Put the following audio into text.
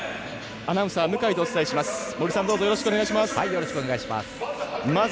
アナウンサー向井でお伝えします。